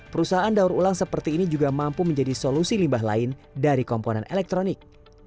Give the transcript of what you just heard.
perusahaan daur ulang seperti ini juga mampu menjadi solusi limbah lain dari komponen elektronik